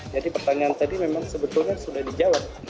jadi pertanyaan tadi memang sebetulnya sudah dijawab